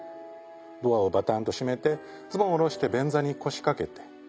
ドアをバタンと閉めてズボンを下ろして便座に腰掛けて。